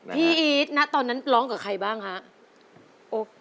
พี่อีทนะตอนนั้นร้องกับใครบ้างฮะ